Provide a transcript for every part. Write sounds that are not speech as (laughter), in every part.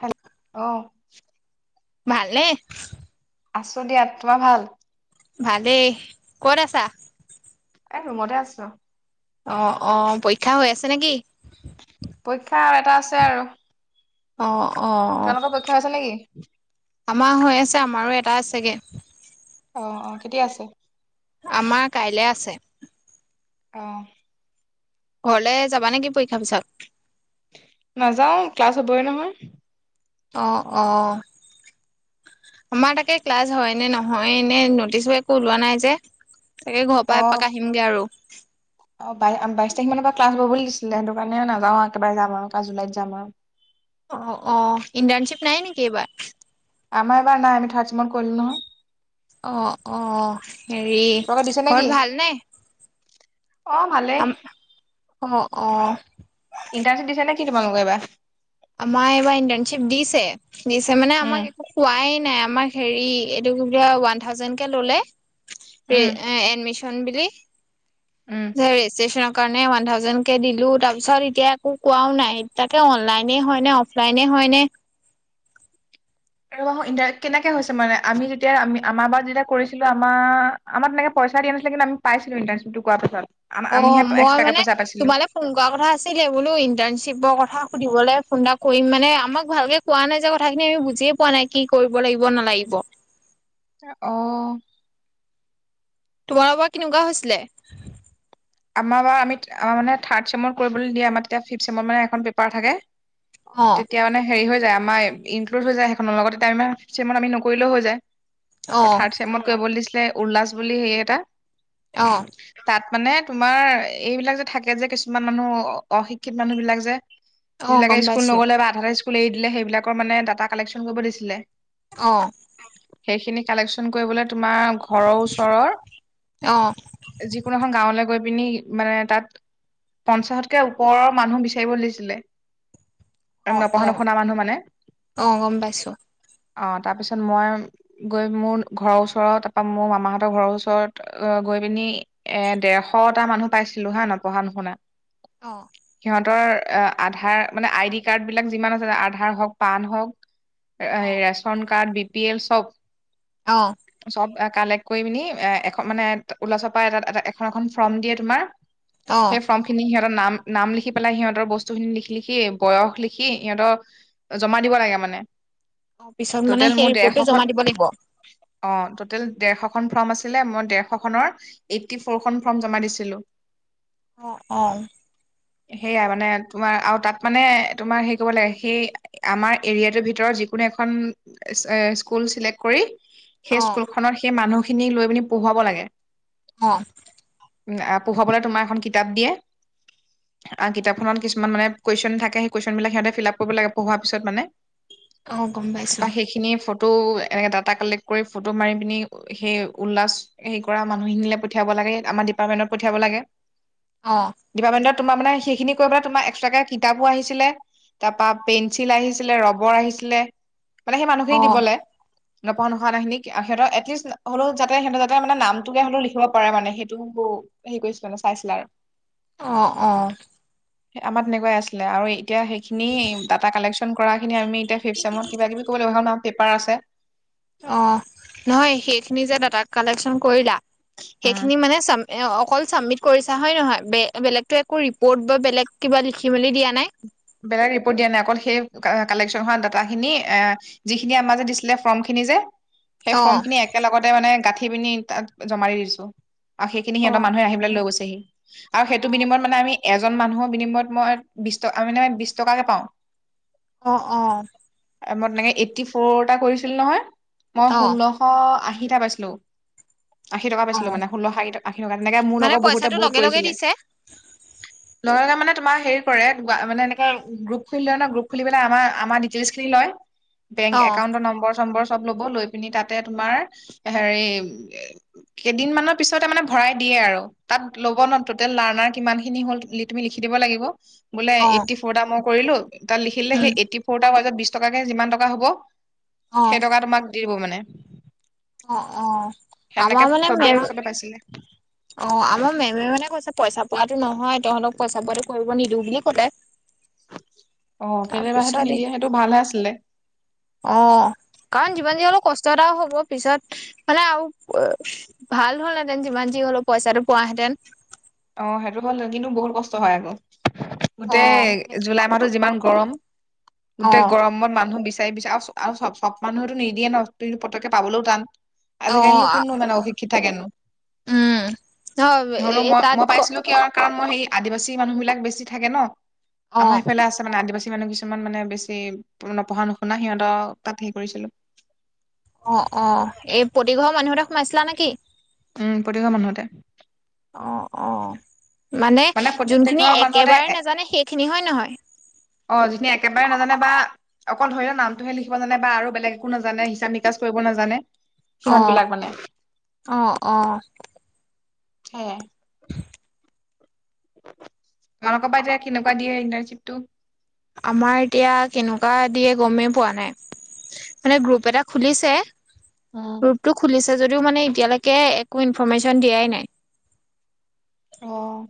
হেল, অ। ভালনে? আছো দিয়া তোমাৰ ভাল? ভালেই। ক'ত আছা? এহ ৰুমতে আছোঁ। অ' অ' পৰীক্ষা হৈ আছে নেকি? পৰীক্ষা আৰু এটা আছে আৰু। অ'। অ', তোমালোকৰ পৰীক্ষা আছে নেকি আমাৰ হৈ আছে। আমাৰো এটা আছেগে। অ' অ' কেতিয়া আছে? আমাৰ কাইলে আছে। অহ। ঘৰলে যাবা নেকি পৰীক্ষা পিছত? নাযাও ক্লাছ হ'বই নহয়। অ', অ'। আমাৰ তাকে ক্লাছ হয় নে নহয় এনে নটিচবোৰ একো ওলোৱা নাই যে। তাকে ঘৰৰ অ পৰা এপাক আহিমগে আৰু। চে সিমানৰ পৰা ক্লাছ হব বুলি দিছিলে সেইটো কাৰণে নাযাওঁ আৰু একেবাৰে যাম আৰু একে জুলাইত যাম আৰু। অ' অ'। ইণ্টাৰ্ণশ্বিপ নাই নেকি এইবাৰ? আমাৰ এইবাৰ নাই, আমি থাৰ্ড ছেমত কৰিলো নহয়। অ', অ'। হেৰি তোমালোকৰ দিছে নেকি ঘৰত ভালনে? অ ভালেই আম - অ' অ'। (inaudible) ইণ্টাৰ্ণশ্বিপ দিছা নেকি তোমালোকে এইবাৰ? আমাৰ এইবাৰ ইণ্টাৰ্ণশ্বিপ দিছে। দিছে মানে উম আমাক একো কোৱাই নাই আমাক হেৰি এটো কি বুলি কয় ওৱান থাউজেণ্ডকে ললে, উম (unintelligible) এডমিচন বুলি। উম (unintelligible) কাৰণে ওৱান থাউজেণ্ড কে দিলোঁ, তাৰ পিছত এতিয়া একো কোৱাও নাই, তাকে অনলাইন নে হয়নে, অফলাইনে হয় নে (unintelligible) কেনেকে হৈছে মানে, আমি যেতিয়া আমি - আমাৰ বাৰ যেতিয়া কৰিছিলো আমাৰ - আমাৰ তেনেকে পইচা দিয়া নাছিলে কিন্তু আমি পাইছিলো ইণ্টাৰ্ণশ্বিপটো পাছত। আম- আমিহে অ' মই এক্সট্ৰাকে মানে পইচা পাইছিলো তোমালে ফোন কৰা কথা আছিলে বোলো ইণ্টাৰ্ণশ্বিপৰ কথা সুধিবলে ফোন এটা কৰিম মানে, আমাক ভালকে কোৱা নাই যে কথাখিনি, আমি বুজিয়ে পোৱা নাই কি কৰিব লাগিব নালাগিব। অঁ। (unintelligible) কেনেকুৱা হৈছিলে? আমাৰ বাৰ আমি আমাৰ মানে থাৰ্ড চেমৰ কৰিবলে দিয়ে আমাৰ তেতিয়া ফিপ চেমৰ মানে এখন পেপাৰ থাকে অ তেতিয়া মানে হেৰি হৈ যায় (unintelligible) ইনক্লুদ হৈ যায় সেইখনৰ লগত (unintelligible) আমি নকৰিলেও হৈ যায়। অ তই থাৰ্ড চেমত কৰিব দিচ উল্লাস বুলি সেই এটা অহ তাত মানে তোমাৰ এইবিলাক যে থাকে যে কিছুমান মানুহ অশিক্ষিত মানুহ বিলাক যে অ যিবিলাকে গম পাই স্কুল নগ'লে বা আধাতে স্কু স্কুল এৰি দিলে সেইবিলাকৰ মানে ডাটা কালেকন কৰিব দিছিলে অ সেইখিনি কালেকচন কৰিবলে তোমাৰ ঘৰৰ ওচৰৰ অ যিকোনো এখন গাঁৱলে গৈ পিনি মানে তাত পঞ্চাশতকে ওপৰৰ মানুহ বিচাৰিব দিছিলে অ নপঢ়া অ নুশুনা মানুহ মানে অ গম পাইছো অ তাৰপিছত মই গৈ মোৰ ঘৰৰ ওচৰত তাপা মোৰ মামাহঁতৰ ঘৰৰ ওচৰত গৈ পিনি এ ডেৰশটা মানুহ পাইছিলো হয় নপঢ়া নুশুনা অ সিহঁতৰ আ আধাৰ মানে আইডি কাৰ্ড বিলাক যিমান আছে আধাৰ হওক পান হওক অ', ration card B P L চব অ', চব এক কালেক্ট কৰি পিনি এ এখন মানে ওলচপাই এটা এ এখন এখন ফৰ্ম দিয়ে তোমাৰ অ', সেই ফৰ্ম খিনি সিহঁতৰ নাম নাম লিখি পেলাই সিহঁতৰ বস্তুখিনি লিখ লিখি বয়স লিখি সিহঁতৰ জমা দিব লাগে মানে অ পিছত মানে টোটেল সেই মোৰ ৰিপৰ্টটো জমা দিব লাগিব টোতেল ডেৰশ খন ফৰ্ম আছিলে মই ডেৰশ খনৰ এইটটি ফ'ৰ খন ফৰ্ম জমা দিছিলো অ অ সেয়াই মানে তোমাৰ আও তাত মানে তোমাৰ হেৰি ক'ব লাগে সেই আমাৰ এৰিয়াটোৰ ভিতৰত যিকোনো এখন স্কুল চিলেক্ট কৰি সেই অ', স্কুল খনৰ সেই মানুহ খিনি লৈ পিনি পঢ়োব লাগে অ আ পঢ়োবলে তোমাৰ এখন কিতাপ দিয়ে আহ কিতাপখনত কিছুমান মানে কোৱেশ্যন থাকেই কোৱেশ্যন বিলাকি সিহঁতে মানে ফিলাপ কৰিব লাগে পঢ়োৱা পিছত মানে অহ গম পাইছো বা সেইখিনি ফটো এনেকে ডাটা কালেক্ট কৰি ফটো মাৰি পিনি সেই উল্লাস হেৰি কৰা মানুহখিনিলৈ পঠিয়াব লাগে আমাৰ ডিপাৰ্টমেণ্টত পঠিয়াব লাগে। অ', ডিপাৰ্টমেণ্টত তোমাৰ মানে সেই খিনি কৈ পাই তোমাৰ একট্ৰাকে কিতাপো আহিছিলে তাপা পেঞ্চিল আহিছিলে ৰবৰ আহিছিলে মানে সেই মানুহখিনিক অ', দিবলে নপঢ়া নোহোৱা মানুহখিনিক সিহঁতৰ এটলিষ্ট হলেও যাতে সিহতে যাতে মানে নামটোকে হলেও লিখিব পাৰে মানে সেইটোকে হো হেৰি কৰিছিলে মানে চাইছিলা আৰু অঁ অঁ আমাৰ তেনেকুৱাই আছে ছিল আৰু এতিয়া সেইখিনি ডাটা কালেকশ্যন কৰা আমি এতিয়া ফিফট চেমট কিবা কিবি কৰিব লাগিব (unintelligible) পেপাৰ আছে অঁ, নহয় সেইখিনি যে দাতা কালেকচন কৰিলা উম সেইখিনি মানে চাম অকল চাবমিট কৰিছা হয় নহয়, বে বেলেগটো একো ৰিপৰ্ট কিবা লিখিবলৈ দিয়া নাই? বেলেগ ৰিপৰ্ট দিয়া নাই অকল সেই কালেকশ্যন হোৱা ডাটাখিনি এ যিখিনি আমাৰ যে দিছিলে ফৰ্ম খিনি যে সেই ফৰ্ম অ', খিনি একেলগতে মানে গাঠি গাঠি পিনি তাত জমা দি দিছো। সেইখিনি সিহঁতৰ অ', মানুহে আহি পেলাই লৈ গছে। (unintelligible) আৰু সেইটো অ', বিনিময়ত মানে আমি এ এজন মানুহৰ বিনিময়ত মই বিশ টকা অ মানে বিশ টকাকে পাওঁ। অঁ অঁ মই তেনেকে মানে এইট্টি ফ'ৰটা কৰিছিলো নহয় মই অ', ষোল্লশ আশী (unintelligible) থা পাইছিলো (unintelligible) আশী টকা পাইছিলো অ', মানে ষোল্লশ আশী টকা, তেনেকে মোৰ মানে লগত বহুতে পইচাটো বহুত লগে লগে কৰিছিলে, দিছে (unintelligible) মানে তোমাৰ হেৰি কৰে মানে এনেকে গ্ৰুপ খুলি লয় ন গ্ৰুপ খুলি পেলাই আমা আমা ডিটেইলচ খিনি লয় বেংক অ', একাউণ্টৰ নম্বৰ-চম্বৰ চব লব লৈ পিনি তাতে তোমাৰ হেৰি, কেইদিন মানৰ পিছতে মানে ভৰাই দিয়ে আৰু তাত ল'ব ন টোটেল লাৰ্ণাৰ কিমান খিনি হ'ল তুমি লিখি দিব লাগিব বোলে অ', এইটি ফ'ৰটা মোক কৰিলোঁ তাত লিখিলে উম, সেই এইটি ফ'ৰ ত বিশ টকাকে যিমান টকা হ'ব সেই টকা তোমাক দি দিব মানে অঁ অঁ সেনেকে আমাৰ মানে চবে মেম চবে পাইছিলে অঁ আমাৰ মেমে মানে কৈছে পইচা পোৱাটো নহয় তহঁতক পইচা পোৱাটো কৰিব নিদিওঁ বুলি কলে। (inaudible) কেলেবা সেইটো তাৰপিছত নিদিয়ে সেইটো (unintelligible) ভালহে আছিলে অঁ কাৰণ যিমান যি হলেও কষ্ট কষ্ট এটা হ'ব পিছত মানে আৰু ভাল হ'লহেঁতেন যিমান যি হ'লেওঁ পইচাটো পোৱাহেঁতেন। অঁ, সেইটো ভাল ন কিন্তু বহুত কষ্ট হয় আকৌ। অ', গোটেই জুলাই মাহতো যিমান গৰম গোটেই অ', গৰমত মানুহ বিছ (unintelligible) পিছে চব- চব মানুহেতো নিদিয়ে ন, তুমি পতকে পাবলেও টান। আজিকালিনো অঁ, কোননো মানে অশিক্ষিত থাকেনো উম নহ হ'লেও এই মই তাত মই ক পাইছিলো কি কাৰণ মই সেই আদিবাসী মানুহ বিলাক বেছি থাকে ন। আমাৰ অ', সেইফালে আছে মানে আদিবাসী মানুহ কিছুমান মানে বেছি পঢ়া নুশুনা সিঁহতৰ তাত হেৰি কৰিছিলোঁ। সোমাইচিলা নে কি। উম প্ৰতি ঘৰ মানুহতে। অঁ অঁ। মানে প্ৰত্যেক ঘৰ মানুহতে এ, নাজানে সেইখিনি হয় নহয়? অঁ জুনে একেবাৰে নাজানে বা অকল ধৰি লওক নামটোহে লিখিব জানে বা আৰু বেলেগ একো নাজানে হিচাপ নিকাচ কৰিব নাজানে। সিহঁত অঁ, বিলাক মানে অঁ - অঁ। হে তোমালোকৰ বা এতিয়া কেনেকুৱা দিয়ে ইন্টাৰ্শ্বিপটো। আমাৰ এতিয়া কেনেকুৱা দিয়ে গমেই পোৱা নাই, মানে গ্ৰুপ এটা খুলিছে। উম গ্ৰুপটো খুলিছে যদিও মানে এতিয়ালৈকে এ একো ইনফৰৰ্মেশ্যন দিয়াই নাই। অঁ।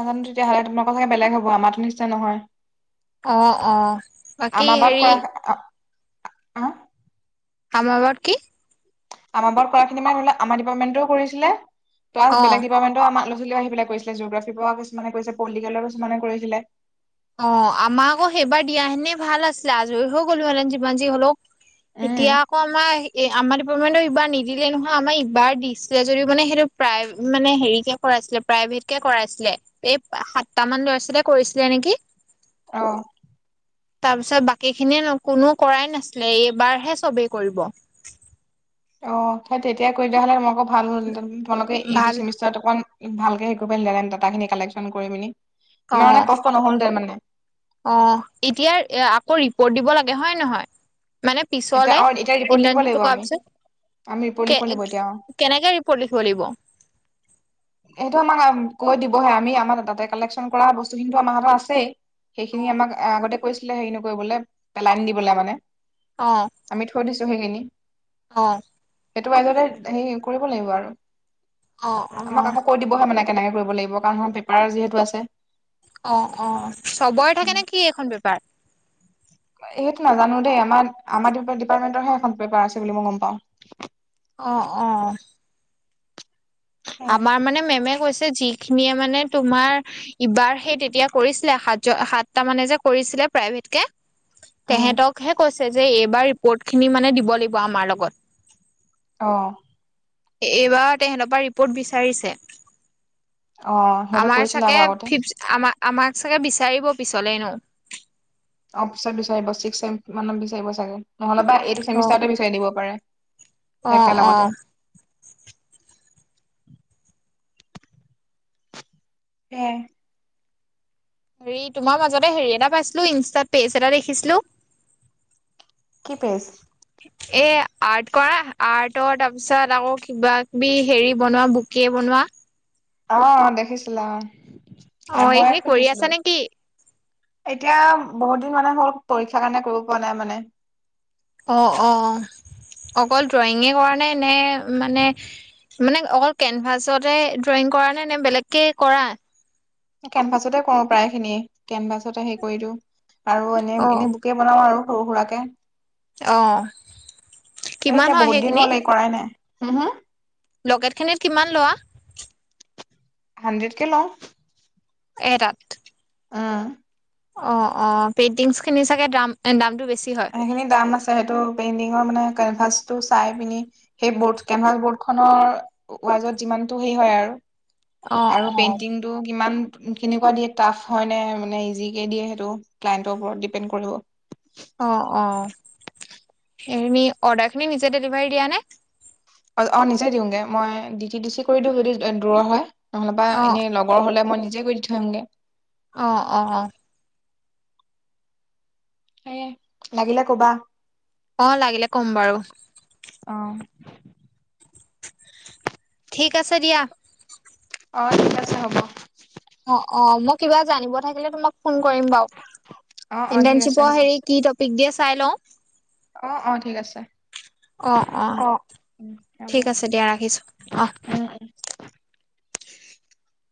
নাজানো তেতিয়াহ'লে তোমালোকৰ চাগে বেলেগ হ'ব, আমাৰটো নিচিনা নহয়। অঁ, অ', বাকী আমাৰ বাৰত হেৰি কৰা আ আহ আমাৰ বাৰত কি? আমাৰ বাৰত কৰাখিনি মানে ধৰি লোৱা, আমাৰ ডিপাৰ্টমেণ্টও কৰিছিলে। প্লাছ অ বেলেগ দিপাৰ্তমেন্তেও আমাৰ (unintelligible) আহি পেলায় কৰিছিল, জিঅগ্ৰফী পৰা কিছুমানে কৰিছিলে, পলিটিকেলৰ কিছুমানে কৰিছিলে। অঁ, আমাক আকৌ সেইবাৰ দিয়া হেতেনে ভাল আছিলে আজৰি হৈ গ'লো হেতেন যিমান যি হ'লেও। এতিয়া আকৌ আমাৰ এ আমাৰ ডিপাৰ্টমেণ্টও এইবাৰ নিদিলে নহয় আমাৰ ইবাৰ দিছিলে যদিও মানে সেইটো প্ৰাই মানে হেৰি কে কৰাইছিলে প্ৰাইভেট কে কৰাইছিলে, এই সাতটা মান ল'ৰা ছোৱালীয়ে কৰিছিলে নেকি। অঁ। তাৰপিছত বাকী খিনিয়ে ন কোনো কৰাই নাছিলে, এইবাৰহে চবেই কৰিব। অঁ, সেই তেতিয়াই কৰি দিয়া হ'লে তোমালোকৰ ভাল হ'ল হেতেন। তোমালোকে এইটো ভাল চেমিষ্টাৰত অকণ ভালকে হেৰী (unintelligible) দাটাখিনি কালেকশ্যন কৰি পিনি। ইমান অ', মানে কষ্ট নহ'ল হতেন মানে। অ' এতিয়া আকৌ, ৰিপৰ্ট দিব লাগে হয় নহয়? মানে এতিয়া পিছলে, অ এতিয়া ৰিপৰ্ট লিখিব ইন্দ্ৰণজীটো লাগিব কৰা আমি পিছত। আমি ৰিপৰ্ট কে লিখিব লাগিব এতিয়া অ কেনেকে ৰিপৰ্ট লিখিব লাগিব? সেইটো আমাক কৈ দিবহে আমি আমাৰ দাতা কালেকশচন কৰা বস্তুখিনিো আমাৰ হাতত আছেই! সেইখিনি অ', আমাক আগতে কৈছিলে হেৰি নকৰিবলৈ, পেলাই নি দিবলৈ মানে। অ', আমি থৈ দিছো হৈ গনি (unintelligible) অ'! সেইটো আগতে, হেই কৰিব লাগিব আৰু আমাক অ', আকৌ কৈ দিবহে মানে কেনেকে কৰিব লাগিব কাৰণ ধ পেপাৰ যিহেতু আছে। অ'-অ' চবৰে থাকে নে কি এখন বেপাৰ? সেইটো নাজানো দেই আমাৰ, আমাৰ তু ডিপাৰটমেণ্টৰ পেপাৰ আছে বুলি মই গম পাও। অ'-অ'। মেমে কৈছে, যিখিনিয়ে মানে তোমাৰ ইবাৰ সেই তেতিয়া কৰিছিলে সাত সাতটা মানে যে কৰিছিলে, প্ৰাইভেট কে! তেহেতকহে কৈছে যে এই বা ৰিপৰ্ট খিনি মানে দিব লাগিব অমাৰ লগত। অঁ। এইবাৰ তে সেন পা কত বিচাৰিছে? অ সিহঁতে আমাৰ কৰিছিলে চাগে আকৌ আগতে ফি', আম, আমাক চাগে বিচাৰিব পিছলে নো অফিচ বিচাৰিব, চিক মানত বিচাৰিব চাগে। নহ'লেব বা এইটো চেমিষ্টাৰ বিচাৰি দিব পাৰে। অ'-অ'। হেয়া'এ। হেৰি তোমাৰ মাজতে হেৰি এটা পাইছিলো, ইনষ্টাত পেজ এটা দেখিছিলো! কি পায়ছ এ আৰ্ট কৰা, আৰ্টৰ, তাৰ পিছত আকৌ কিবা কিবি হেৰি বনোৱা বকে বনোৱা। অঁ দেখিছিলা অঁ। অঁ, এই সে কৰি আছা নেকি? এতিয়া বহুত দিন মানে হ'ল, পৰীক্ষাৰ কাৰণে কৰিব পৰা নাই মানে। অ'অ', অকল ড্ৰয়িঙে কৰা নে? নে মানে, মানে অকল কেনভাছতে ড্ৰয়িং কৰা নাই নে বেলেগকে কৰা কেনভাছতে কৰো প্ৰায় খিনিয়, কেনভাছতে হেৰি কৰি দিওঁ। আৰু এনে অ এনে বোকে বনাও আৰু। শহুোৰাকে। অ। এ কিমান এতিয়া হয় বহুত দিন সেইখিনি হ'ল এই কৰাই নাই। হা হা লকেট খিনিত কিমান লোৱা? হাড্ৰেড কে লও। এতাত। অ অ পেইণ্টিং খিনি চাগে দাম দাম টো বেছি হয়। সেইখিনি দাম আছে হয়তো পেইণ্টিঙৰ মানে কেনভাচটো চাই পিনি সেই বৰ্ড কেনভাছ বৰ্ড খনৰ ৱাজত যিমানটো সেই হয় আৰু। অ', আৰু অ', পেইন্টিংটো কিমান কেনেকুৱা দিয়ে টাফ হয় নে মানে ইজিকে দিয়ে সেইটো ক্লায়ন্টৰ ওপৰত ডিপেণ্ড কৰিব। অঁ অঁ এই অৰ্ডাৰখিনি নিজে ডেলিভাৰী দিয়া নে? অ অ নিজে দিওঁগে মই ডিটি ডিচি কৰি দিওঁ যদি দূৰৰ হয়। নহ'লেবা অ', এনে লগৰ হ'লে মই নি যে কৰি দি ঠয় আহোংগে। অ অ। এয়ে লাগিলে কবা? অ লাগিলে কম বাৰু। অ ঠিক আছে দিয়া। অ ঠিক আছে হ'ব। অ অ মই কিবা জানিব থাকিলে তোমাক ফোন কৰিম বাৰু অ অ ঠিক আছে ইণ্টাৰ্নশ্বিপৰ হ'ব হেৰি কি টপিক দিয়ে চাই লওঁ। অ, অ ঠিক আছে অ হব উ ঠিক উ। আছে দিয়া ৰাখিছোঁ অ'। (inaudible)